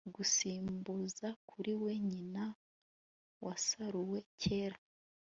gusimbuza, kuri we, nyina wasaruwe kera